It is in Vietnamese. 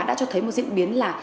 đã cho thấy một diễn biến là